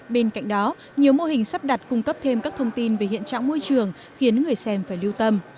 bên cạnh đó nhiều mô hình sắp đặt cung cấp thêm các thông tin về hiện trạng môi trường khiến người xem phải lưu tâm